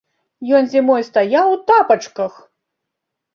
Ён зімой стаяў у тапачках!